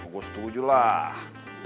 gue setuju lah